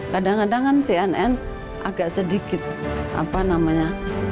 kadang kadang kan cnn agak sedikit apa namanya